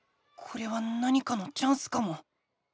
これは何かのチャンスかも。